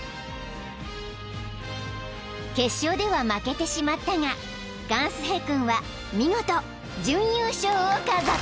［決勝では負けてしまったがガンスヘ君は見事準優勝を飾った］